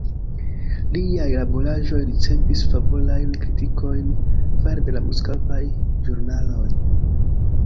Liaj laboraĵoj ricevis favorajn kritikojn fare de la moskvaj ĵurnaloj.